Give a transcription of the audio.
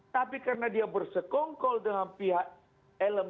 tapi karena dia bersekongkol dengan pihak elemen kekuasaan yang berat